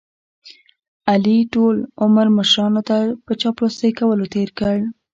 علي ټول عمر مشرانو ته په چاپلوسۍ کولو تېر کړ.